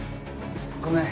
ごめん。